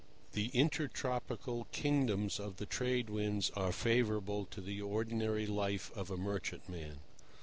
The intertropical kingdoms of the Trade Winds are favourable to the ordinary life of a merchantman.